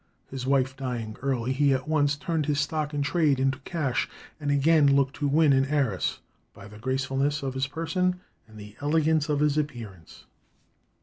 His wife dying early, he at once turned his stock in trade into cash, and again looked to win an heiress, "by the gracefulness of his person and the elegance of his appearance."